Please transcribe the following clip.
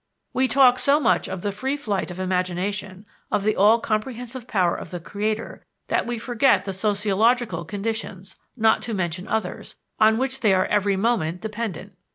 We talk so much of the free flight of imagination, of the all comprehensive power of the creator, that we forget the sociological conditions not to mention others on which they are every moment dependent.